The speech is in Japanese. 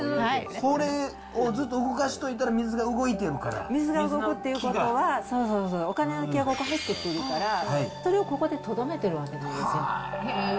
これをずっと動かしといたら水が動くっていうことは、そうそうそう、お金の気が入ってくるから、それをここでとどめてるわけです。